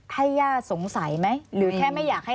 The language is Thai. ให้ย่าสงสัยไหมหรือแค่ไม่อยากให้